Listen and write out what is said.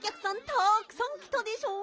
たくさんきたでしょ？